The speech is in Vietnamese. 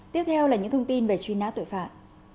tiếp theo là những thông tin về truy nã tội phạm